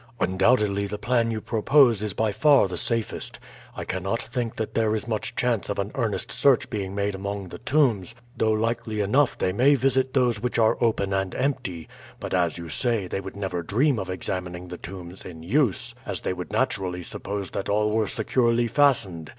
"Undoubtedly the plan you propose is by far the safest. I cannot think that there is much chance of an earnest search being made among the tombs, though likely enough they may visit those which are open and empty; but as you say, they would never dream of examining the tombs in use, as they would naturally suppose that all were securely fastened.